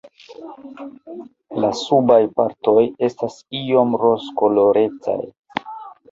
La subaj partoj estas iom rozkolorecaj.